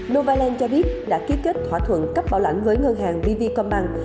novaland cho biết đã ký kết thỏa thuận cấp bảo lãnh với ngân hàng bv command